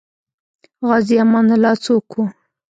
غازي امان الله څوک وو؟